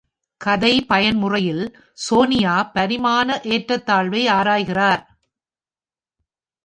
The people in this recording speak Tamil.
கதை பயன்முறையில், சோனியா பரிமாண ஏற்றத்தாழ்வை ஆராய்கிறார்.